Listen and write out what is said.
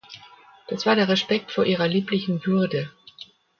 Das war der Respekt vor Ihrer lieblichen Würde.